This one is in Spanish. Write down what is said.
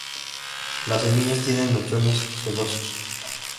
Las semillas tienen mechones sedosos.